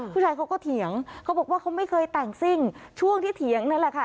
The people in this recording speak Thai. ผู้ชายเขาก็เถียงเขาบอกว่าเขาไม่เคยแต่งซิ่งช่วงที่เถียงนั่นแหละค่ะ